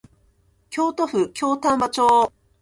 京都府京丹波町